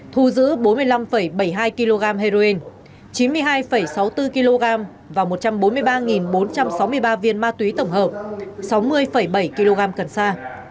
thu giữ bốn mươi năm bảy mươi hai kg heroin chín mươi hai sáu mươi bốn kg và một trăm bốn mươi ba bốn trăm sáu mươi ba viên ma túy tổng hợp sáu mươi bảy kg cần sa